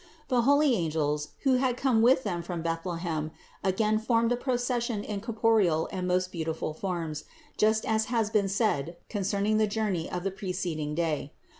The holy angels, who had come with them from Bethlehem, again formed in procession in corporeal and most beautiful forms, just as has been said concerning the journey of the preced ing day.